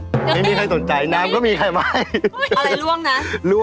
ว่าเป็นผู้ชายคนเดียว